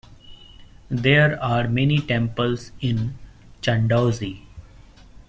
There are many temples in Chandausi.